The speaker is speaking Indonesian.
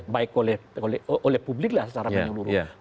baik oleh publik lah secara menyeluruh